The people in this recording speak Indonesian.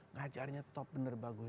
ngajarnya top bener bagus